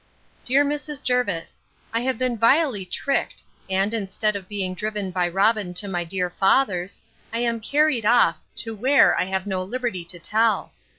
'DEAR MRS. JERVIS, 'I have been vilely tricked, and, instead of being driven by Robin to my dear father's, I am carried off, to where, I have no liberty to tell.